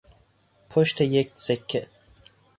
پشت یک سکه